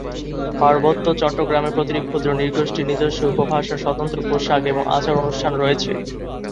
পার্বত্য চট্টগ্রামে প্রতিটি ক্ষুদ্র নৃগোষ্ঠীর নিজস্ব উপভাষা, স্বতন্ত্র পোশাক এবং আচার অনুষ্ঠান রয়েছে।